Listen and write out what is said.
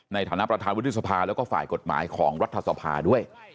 ในฐานะประธานวิทยุสภาและฝ่ายกฎหมายของรัฐศาสตร์ภาด้วย